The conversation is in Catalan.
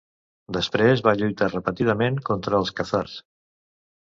Després va lluitar repetidament contra els khàzars.